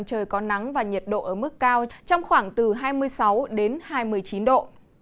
trời có nắng và nhiệt độ ở mức cao trong khoảng từ hai mươi sáu đến hai mươi chín độ